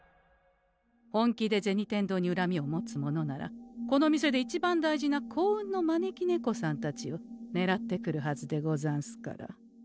本気で銭天堂にうらみを持つ者ならこの店でいちばん大事な幸運の招き猫さんたちをねらってくるはずでござんすから。